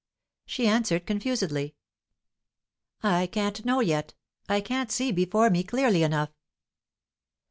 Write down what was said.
She answered confusedly: "I can't know yet; I can't see before me clearly enough."